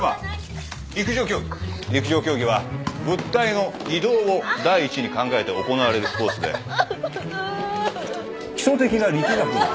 陸上競技は物体の移動を第一に考えて行われるスポーツで基礎的な力学の。